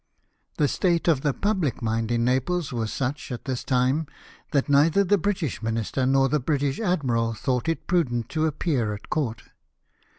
The state of the public mind in Naples was such, at this time, that neither the British minister nor the British admiral thought it prudent to appear at court.